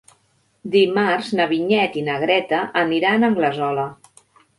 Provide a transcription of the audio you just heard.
Dimarts na Vinyet i na Greta aniran a Anglesola.